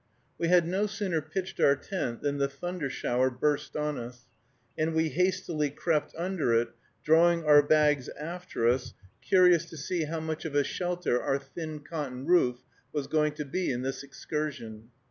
We had no sooner pitched our tent than the thunder shower burst on us, and we hastily crept under it, drawing our bags after us, curious to see how much of a shelter our thin cotton roof was going to be in this excursion.